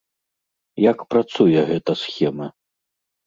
Як працуе гэта схема?